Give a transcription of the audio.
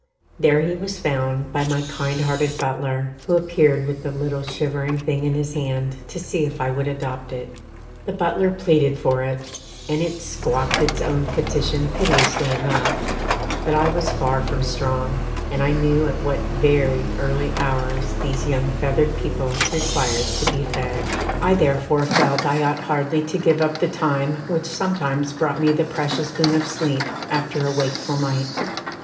There he was found by my kind hearted butler, who appeared with the little shivering thing in his hand to see if I would adopt it. The butler pleaded for it, and it squawked its own petition piteously enough, but I was far from strong, and I knew at what very early hours these young feathered people required to be fed. I therefore felt I ought hardly to give up the time which sometimes brought me the precious boon of sleep after a wakeful night.